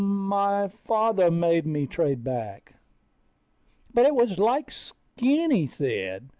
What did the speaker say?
my father made me trade back. But it was like Skinny said